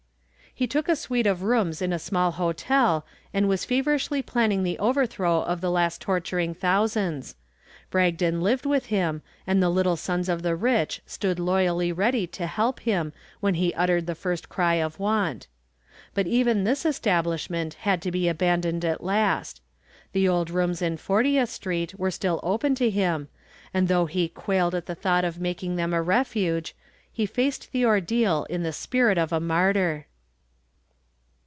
He took a suite of rooms in a small hotel and was feverishly planning the overthrow of the last torturing thousands. Bragdon lived with him and the "Little Sons of the Rich" stood loyally ready to help him when he uttered the first cry of want. But even this establishment had to be abandoned at last. The old rooms in Fortieth Street were still open to him and though he quailed at the thought of making them a refuge, he faced the ordeal in the spirit of a martyr.